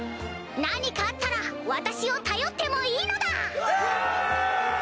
何かあったら私を頼ってもいいのだ！